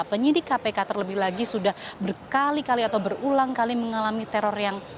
penyidik kpk terlebih lagi sudah berkali kali atau berulang kali mengalami teror yang